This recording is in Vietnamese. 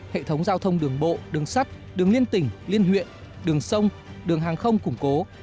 hệ thống giao thông đường bộ đường sắt đường liên tỉnh liên huyện đường sông đường hàng không củng cố